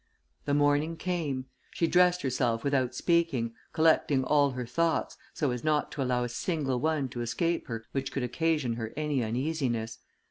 The morning came; she dressed herself without speaking, collecting all her thoughts, so as not to allow a single one to escape her which could occasion her any uneasiness.